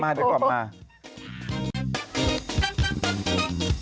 แผ่นดินไหวยังคะแผ่นดินไหวยังคะ